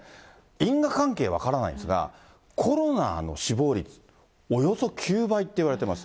因果関係は分からないんですが、コロナの死亡率、およそ９倍っていわれています。